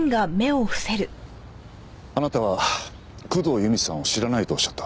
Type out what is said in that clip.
あなたは工藤由美さんを知らないとおっしゃった。